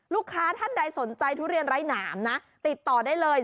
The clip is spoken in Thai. ท่านใดสนใจทุเรียนไร้หนามนะติดต่อได้เลย